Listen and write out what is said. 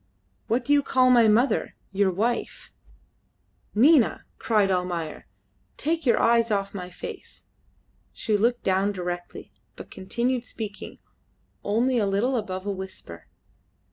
What do you call my mother, your wife?" "Nina!" cried Almayer, "take your eyes off my face." She looked down directly, but continued speaking only a little above a whisper.